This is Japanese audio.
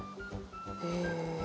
へえ。